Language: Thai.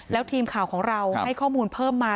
แล้วทีมข่าวของเราให้ข้อมูลเพิ่มมา